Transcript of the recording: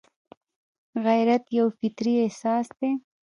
غیرت یو فطري احساس دی